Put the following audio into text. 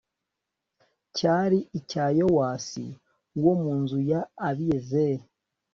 cyari icya yowasi wo mu nzu ya abiyezeri